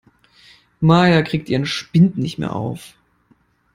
Maja kriegt ihren Spind nicht mehr auf.